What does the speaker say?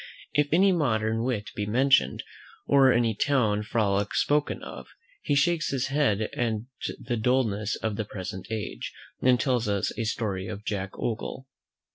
If any modern wit be mentioned, or any town frolic spoken of, he shakes his head at the dulness of the present age, and tells us a story of Jack Ogle.